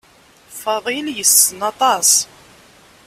Faḍil yessen aṭas.